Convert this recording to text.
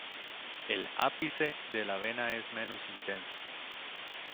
El ápice de la vena es menos intenso.